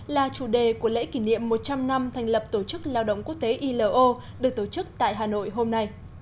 là chủ đề của lễ kỷ niệm một trăm linh năm thành lập tổ chức lao động quốc tế ilo được tổ chức tại hà nội hôm nay